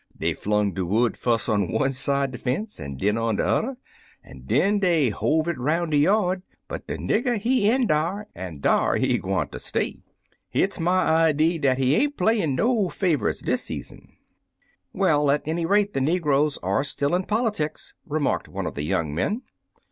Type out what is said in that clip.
Dey fling de wood fus' on one side de fence an' den on de udder, an' den dey hove it 'roun' de yard, but de nigger he in dar, an' dar he gwineter stay. Hit's my idee dat he ain't playin' no fav'rites dis season." "Well, at any rate, the negroes are still in politics," remarked one of the young men.